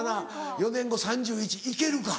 ４年後３１歳行けるか？